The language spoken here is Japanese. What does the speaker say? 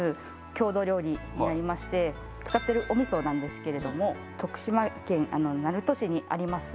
郷土料理になりまして使ってるお味噌なんですけれども徳島県鳴門市にあります